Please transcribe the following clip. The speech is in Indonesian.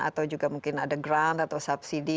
atau juga mungkin ada grand atau subsidi